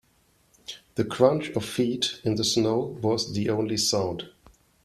The crunch of feet in the snow was the only sound.